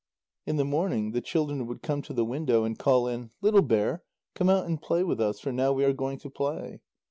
In the morning, the children would come to the window and call in: "Little bear, come out and play with us, for now we are going to play."